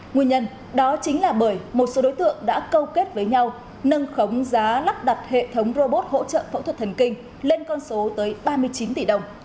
nguyên nhân đó chính là bởi một số đối tượng đã câu kết với nhau nâng khống giá lắp đặt hệ thống robot hỗ trợ phẫu thuật thần kinh lên con số tới ba mươi chín tỷ đồng